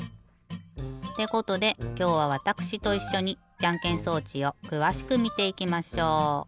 ってことできょうはわたくしといっしょにじゃんけん装置をくわしくみていきましょう。